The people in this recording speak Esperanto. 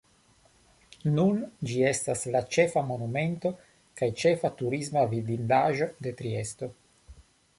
Nun ĝi estas la ĉefa Monumento kaj ĉefa turisma vidindaĵo de Triesto.